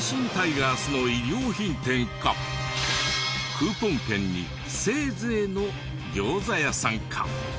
クーポン券に「せいぜい」の餃子屋さんか？